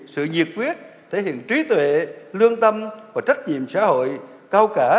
sự nhiệt quyết thể hiện trí tuệ lương tâm và trách nhiệm xã hội cao cả